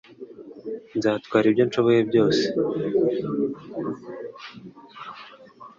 Nzatwara ibyo nshoboye byose